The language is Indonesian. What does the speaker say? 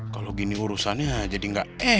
kalau gini urusannya jadi gak jauh